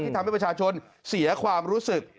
ทำให้ประชาชนเสียความรู้สึก